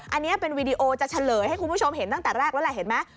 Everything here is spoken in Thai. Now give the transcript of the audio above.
อันนี้เป็นวีดีโอจะเฉลยให้คุณผู้ชมเห็นตั้งแต่แรกแล้วแหละเห็นไหม